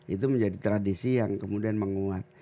itu menjadi tradisi yang kemudian menguat